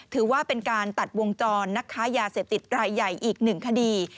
ถือว่าเป็นการตัดวงจรนักค้ายาเสพติดรายใหญ่อีกหนึ่งคดี